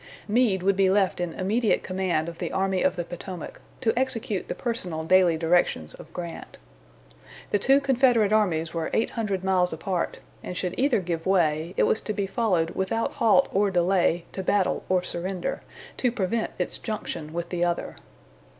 Meade would be left in immediate command of the Army of the Potomac, to execute the personal daily directions of Grant. The two Confederate armies were eight hundred miles apart, and should either give way, it was to be followed without halt or delay to battle or surrender, to prevent its junction with the other.